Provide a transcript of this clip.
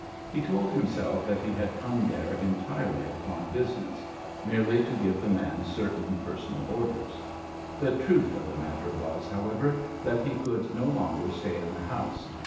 He told himself that he had come there entirely upon business—merely to give the man certain personal orders. The truth of the matter was, however, that he could no longer stay in the house.